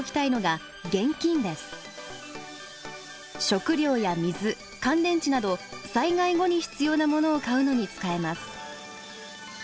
食料や水乾電池など災害後に必要なものを買うのに使えます。